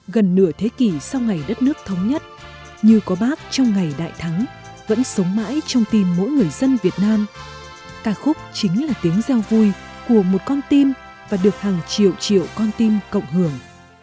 gần nửa thế kỷ sau ngày đất nước thống nhất như có bác trong ngày đại thắng vẫn sống mãi trong tim mỗi người dân việt nam ca khúc chính là tiếng gieo vui của một con tim và được hàng triệu triệu con tim cộng hưởng